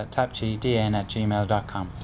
tạp chí dn acom gmail com